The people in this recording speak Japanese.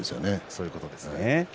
そういうことですね。